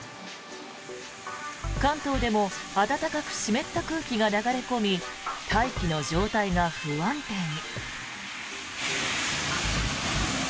関東でも暖かく湿った空気が流れ込み大気の状態が不安定に。